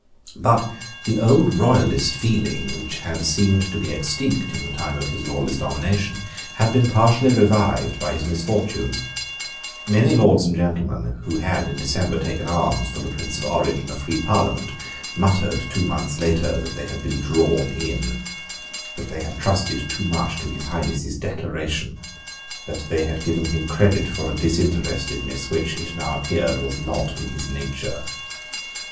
But the old royalist feeling, which had seemed to be extinct in the time of his lawless domination, had been partially revived by his misfortunes. Many lords and gentlemen, who had, in December, taken arms for the Prince of Orange and a Free Parliament, muttered, two months later, that they had been drawn in; that they had trusted too much to His Highness's Declaration; that they had given him credit for a disinterestedness which, it now appeared, was not in his nature.